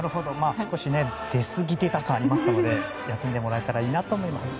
少し出すぎてた感がありますので休んでもらえたらいいなと思います。